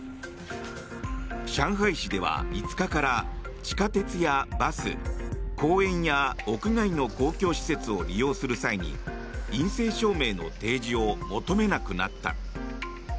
上海市では５日から地下鉄やバス公園や屋外の公共施設を利用する際に陰性証明の提示を求めなくなった。